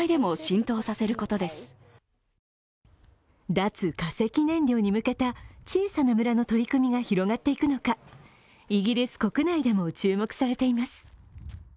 脱化石燃料に向けた小さな村の取り組みが広がっていくのかイギリス国内でも注目されています。